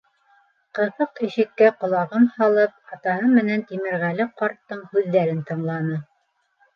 Ҡыҫыҡ ишеккә ҡолағын һалып, атаһы менән Тимерғәле ҡарттың һүҙҙәрен тыңланы.